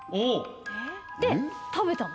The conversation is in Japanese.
えっ？で食べたの。